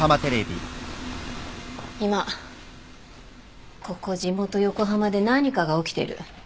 今ここ地元横浜で何かが起きてる。